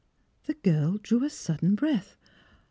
The girl drew a sudden breath.